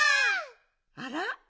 あら？